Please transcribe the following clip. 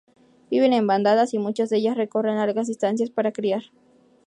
Viven en bandadas y muchas de ellas recorren largas distancias para criar.